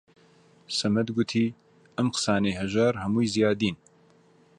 سەمەد گوتی: ئەم قسانەی هەژار هەمووی زیادین